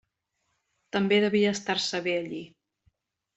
També devia estar-se bé allí.